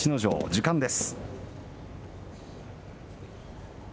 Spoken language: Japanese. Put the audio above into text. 時間です。